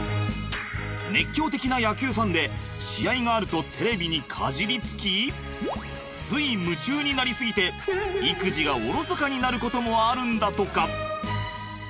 熱狂的な野球ファンで試合があるとテレビにかじりつきつい夢中になり過ぎて育児がおろそかになることもあるんだとか。